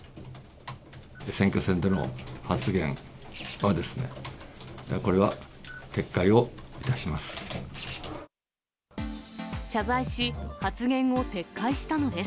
選挙戦での発言は、これは撤回をいたします。